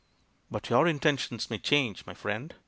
"But your intentions may change, my friend!